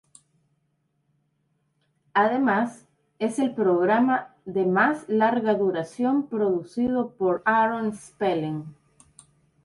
Además es el programa de más larga duración producido por Aaron Spelling.